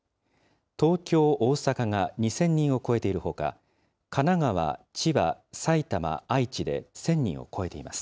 東京、大阪が２０００人を超えているほか、神奈川、千葉、埼玉、愛知で１０００人を超えています。